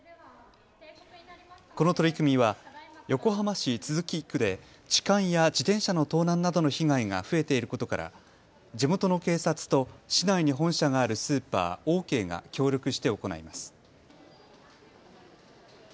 この取り組みは横浜市都筑区で痴漢や自転車の盗難などの被害が増えていることから地元の警察と市内に本社があるスーパー、オーケーが協力して行います。